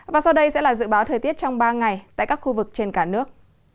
và sau đây sẽ là dự báo thời tiết trong ba ngày tại các khu vực trên cả nước